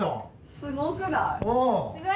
すごくない？